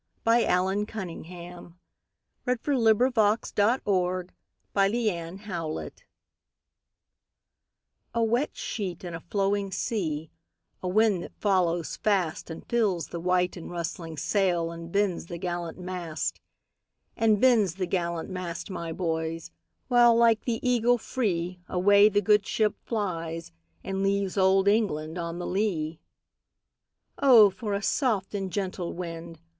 Allan Cunningham CCV. "A wet sheet and a flowing sea" A WET sheet and a flowing sea,A wind that follows fastAnd fills the white and rustling sailAnd bends the gallant mast; And bends the gallant mast, my boys, While like the eagle freeAway the good ship flies, and leavesOld England on the lee."O for a soft and gentle wind!"